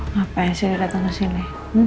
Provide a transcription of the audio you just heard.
ngapain sih dia datang ke sini